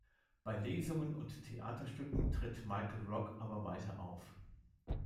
Bei Lesungen und Theaterstücken tritt "Michael Rock" aber weiter auf.